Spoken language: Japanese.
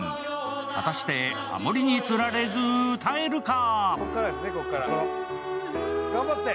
果たしてハモリにつられず歌えるか？